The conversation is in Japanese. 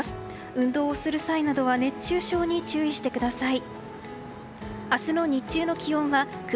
運動をする際などは熱中症に注意してください。